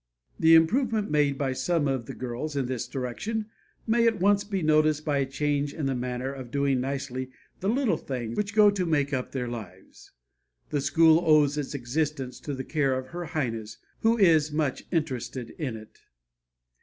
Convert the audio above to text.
The improvement made by some of the girls in this direction may at once be noticed by a change in the manner of doing nicely the little things which go to make up their lives. The school owes its existence to the care of Her Highness, who is much interested in it."